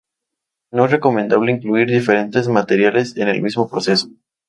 No es recomendable incluir diferentes materiales en el mismo proceso.